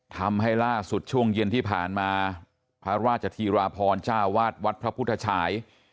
ทำให้ล่าสุดช่วงเย็นที่ผ่านมาพระราชธีราพรเจ้าวาดวัดพระพุทธฉาย